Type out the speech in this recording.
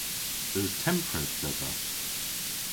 Eus tempredh dhedha?